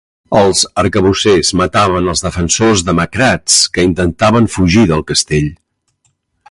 Els arcabussers mataven els defensors demacrats que intentaven fugir del castell.